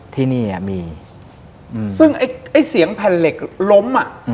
ที่นี่มีซึ่งไอ้เสียงแผ่นเหล็กล้มอ่ะ